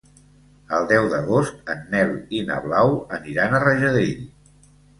El deu d'agost en Nel i na Blau aniran a Rajadell.